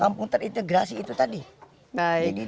ada kampung terintegrasi itu tadi